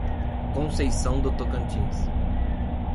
Conceição do Tocantins